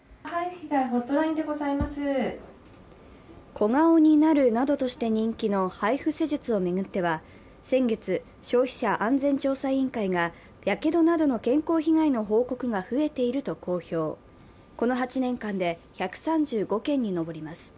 小顔になるなどとして人気のＨＩＦＵ施術を巡っては、先月、消費者安全調査委員会がやけどなどの健康被害の報告が増えていると公表、この８年間で１３５件に上ります。